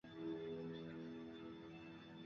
广东省内仅有深圳市使用大风预警。